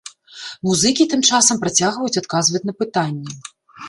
Музыкі тым часам працягваюць адказваць на пытанні.